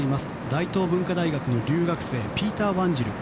大東文化大学の留学生ピーター・ワンジル。